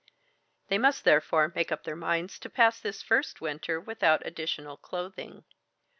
They must therefore make up their minds to pass this first winter without additional clothing.